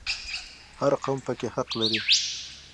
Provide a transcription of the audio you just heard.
هر قوم پکې حق لري